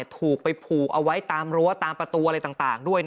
ถูกไปผูกเอาไว้ตามรั้วตามประตูอะไรต่างด้วย